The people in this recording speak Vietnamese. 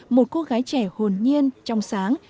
một cô gái trẻ hồn nhiên trong sáng